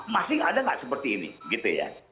masih ada nggak seperti ini gitu ya